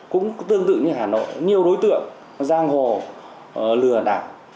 cũng tương tự như hà nội nhiều đối tượng giang hồ lừa đảng